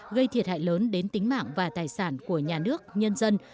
gây thiệt hại lớn đến tính mạng và tài sản của nhà nước nhân dân